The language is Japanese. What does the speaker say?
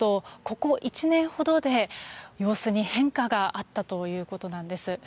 ここ１年ほどで様子に変化があったということなんです。